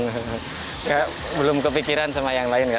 nggak belum kepikiran sama yang lain gak